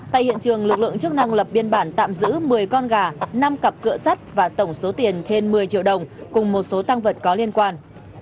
tại hiện trường lực lượng chức năng lập biên bản tạm giữ một mươi con gà năm cặp cửa sắt và tổng số tiền trên một mươi triệu đồng cùng một số tăng vật có liên quan